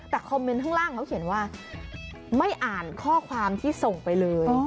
แต่คอมเมนต์ข้างล่างเขาเขียนว่าไม่อ่านข้อความที่ส่งไปเลย